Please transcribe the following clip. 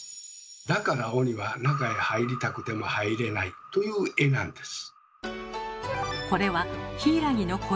だから鬼は中へ入りたくても入れないという絵なんです。